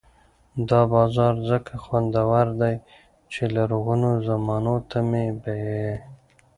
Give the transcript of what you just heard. دا بازار ځکه خوندور دی چې لرغونو زمانو ته مې بیايي.